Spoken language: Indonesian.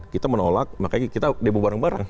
kita menolak makanya kita debu bareng bareng